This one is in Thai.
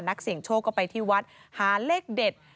นักเสี่ยงโชคก็ไปที่วัดหาเลขเด็ด